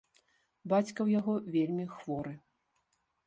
Бацька ў яго вельмі хворы.